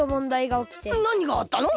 なにがあったの？